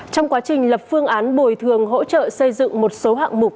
trong quá trình lập phương án bồi thường hỗ trợ xây dựng một số hạng mục